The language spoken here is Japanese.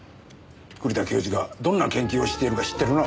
栗田教授がどんな研究をしているか知ってるな？